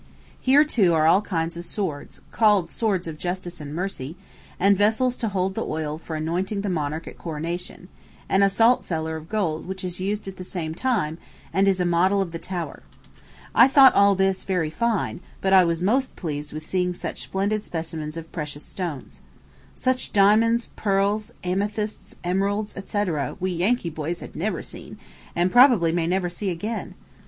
Here, too, are all kinds of swords called swords of justice and mercy and vessels to hold the oil for anointing the monarch at coronation, and a saltcellar of gold which is used at the same time, and is a model of the Tower. I thought all this very fine; but I was most pleased with seeing such splendid specimens of precious stones. Such diamonds, pearls, amethysts, emeralds, &c., &c., we Yankee boys had never seen, and probably may never see again.